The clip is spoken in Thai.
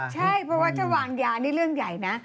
ใช่เพราะว่าถ้าวางยานี่เรื่องใหญ่นะ